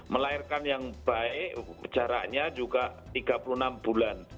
melahirkan yang baik jaraknya juga tiga puluh enam bulan